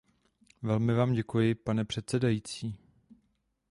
Velmi vám děkuji, pane předsedající.